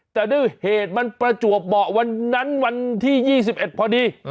แต่ด้วยเหตุมันประจวบเหมาะวันนั้นวันที่๒๑พอดี